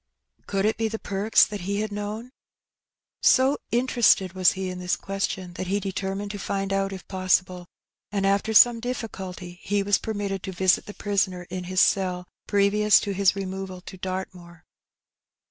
Could it be the Perks that he had known? So interested was he in this question that he determined to find out if possible ; and, after some difficulty, he was per mitted to visit the prisoner in his cell, previous to his removal to Dartmoor.